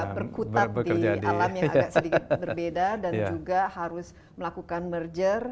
berkutat di alam yang agak sedikit berbeda dan juga harus melakukan merger